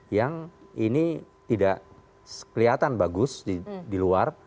yang ini tidak kelihatan bagus di luar